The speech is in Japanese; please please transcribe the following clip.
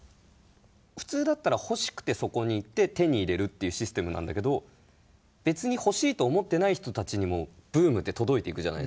普通だったら欲しくてそこに行って手に入れるというシステムなんだけど別に欲しいと思ってない人たちにもブームって届いていくじゃないですか。